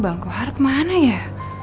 bangku harap mana ya